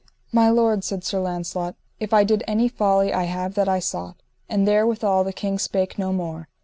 My lord, said Sir Launcelot, if I did any folly I have that I sought. And therewithal the king spake no more.